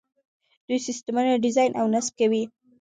دوی سیسټمونه ډیزاین او نصب کوي.